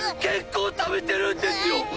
結構ためてるんですよ！